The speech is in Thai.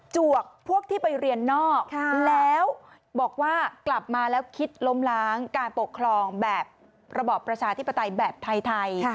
วกพวกที่ไปเรียนนอกแล้วบอกว่ากลับมาแล้วคิดล้มล้างการปกครองแบบระบอบประชาธิปไตยแบบไทย